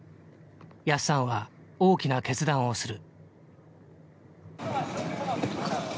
やっさんは大きな決断をする。